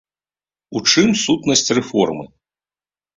У чым сутнасць рэформы?